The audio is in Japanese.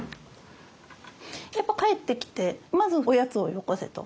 やっぱ帰ってきてまずおやつをよこせと。